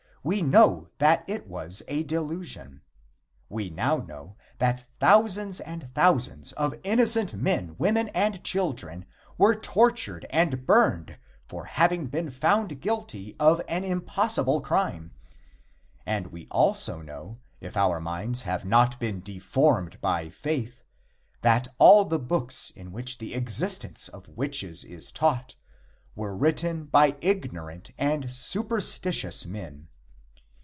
We know that it was a delusion. We now know that thousands and thousands of innocent men, women and children were tortured and burned for having been found guilty of an impossible crime, and we also know, if our minds have not been deformed by faith, that all the books in which the existence of witches is taught were written by ignorant and superstitious men.